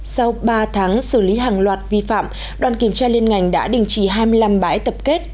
sau ba tháng xử lý hàng loạt vi phạm đoàn kiểm tra liên ngành đã đình chỉ hai mươi năm bãi tập kết